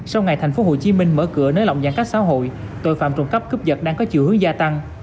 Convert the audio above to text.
sau ngày tp hcm mở cửa nới lỏng giãn cách xã hội tội phạm trộm cắp cướp giật đang có chiều hướng gia tăng